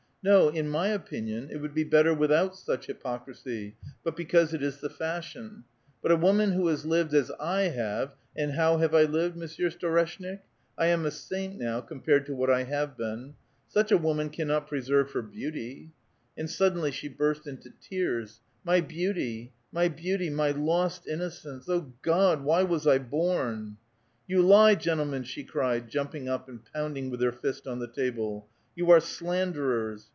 No, in my opinion it would be better with out such hypocrisy, but because it is the fashion. But a woman who has lived as I have, and how have I lived Mon \ sieur Storeshnik ? 1 am a saint now compared to what I have been ; such a woman cannot preserve her beauty !" And suddenly she burst into tears, — "My beauty! My beauty ! my lost innocence ! Oh God, why was I born? "" You lie, gentlemen !" she cried, jumping up and pounding with her fist on the table. "You are slanderers.